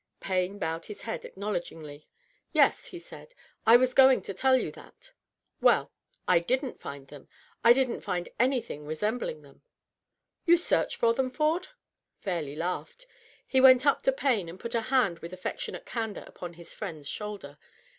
Payne bowed his head acknowledgingly. " Yes," he said, " I was going to tell you that." " Well, .. I didn't find them. I didn't find anything resembling ihem." " You searched for them. Ford ?" Fairleigh laughed. He went up to Payne and put a hand with affectionate candor upon his friends shoulder.